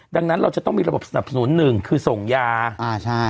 ดังนั้นเราจะต้องมีระบบสนับสนุนหนึ่งคือส่งยาอ่าใช่